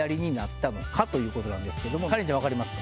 カレンちゃん分かりますか？